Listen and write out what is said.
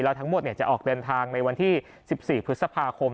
ทั้งหมดจะออกเดินทางในวันที่๑๔พฤษภาคม